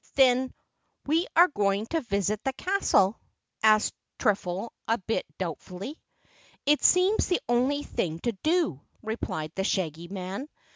"Then we are going to visit the castle?" asked Twiffle a bit doubtfully. "It seems the only thing to do," replied the Shaggy Man.